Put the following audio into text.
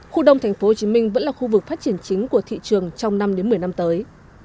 khu đông tp hcm vẫn là khu vực phát triển chính của thị trường trong năm một mươi năm tới